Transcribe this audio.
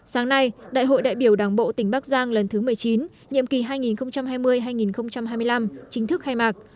sáng nay đại hội đại biểu đảng bộ tỉnh bắc giang lần thứ một mươi chín nhiệm kỳ hai nghìn hai mươi hai nghìn hai mươi năm chính thức khai mạc